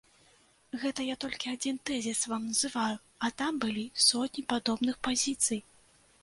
Гэта я толькі адзін тэзіс вам называю, а там былі сотні падобных пазіцый.